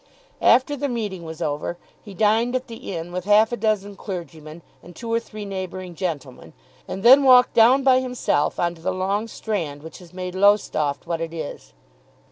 After the meeting was over he dined at the inn with half a dozen clergymen and two or three neighbouring gentlemen, and then walked down by himself on to the long strand which has made Lowestoft what it is.